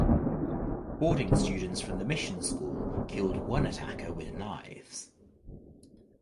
Boarding students from the mission school killed one attacker with knives.